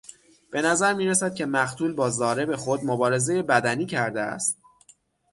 بنظر میرسد که مقتول با ضارب خود مبارزهی بدنی کرده است.